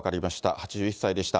８１歳でした。